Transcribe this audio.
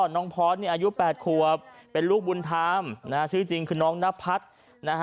น้องพอร์ตอายุ๘ขวบเป็นลูกบุญธรรมชื่อจริงคือน้องนพัฒน์นะฮะ